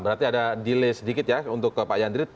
berarti ada delay sedikit ya untuk pak yandri